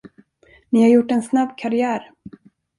Ni har gjort en snabb karriär.